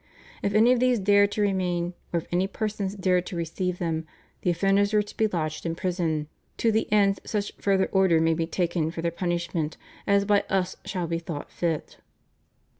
If any of these dared to remain, or if any persons dared to receive them, the offenders were to be lodged in prison, "to the end such further order may be taken for their punishment as by us shall be thought fit."